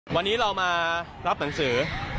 วันนี้เรามารับหนังสือ